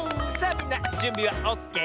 みんなじゅんびはオッケー？